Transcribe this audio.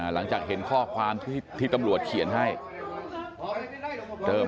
หลังจากเห็นข้อความที่ตำรวจเขียนให้เริ่ม